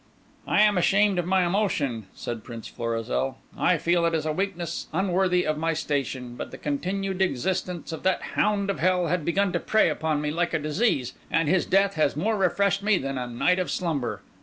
"I am ashamed of my emotion," said Prince Florizel; "I feel it is a weakness unworthy of my station, but the continued existence of that hound of hell had begun to prey upon me like a disease, and his death has more refreshed me than a night of slumber.